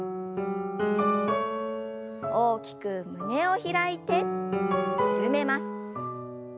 大きく胸を開いて緩めます。